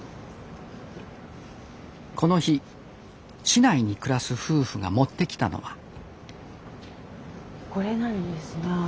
この日市内に暮らす夫婦が持ってきたのはこれなんですが。